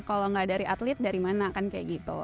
kalau nggak dari atlet dari mana kan kayak gitu